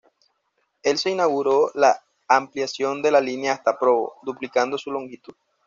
El se inauguró la ampliación de la línea hasta Provo, duplicando su longitud.